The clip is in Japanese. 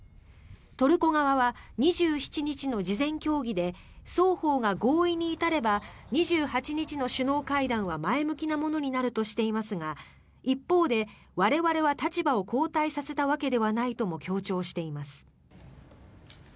トルコ側は２７日の事前協議で双方が合意に至れば２８日の首脳会談は前向きなものになるとしていますが一方で、我々は立場を後退させたわけではないとも強調しています。